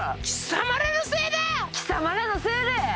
貴様らのせいで！